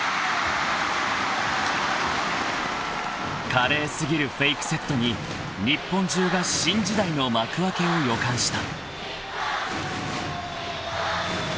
［華麗過ぎるフェイクセットに日本中が新時代の幕開けを予感した］